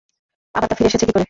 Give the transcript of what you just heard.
আবার তা ফিরে এসেছে কী করে?